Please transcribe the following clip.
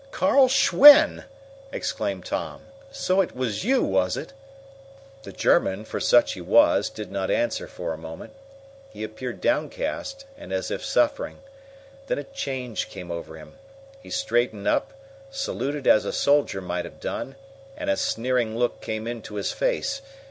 "Carl Schwen!" exclaimed Tom. "So it was you, was it?" The German, for such he was, did not answer for a moment. He appeared downcast, and as if suffering. Then a change came over him. He straightened up, saluted as a soldier might have done, and a sneering look came into his face.